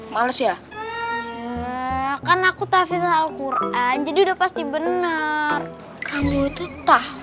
males ya kan aku tafiq salat quran jadi udah pasti bener kamu tuh tak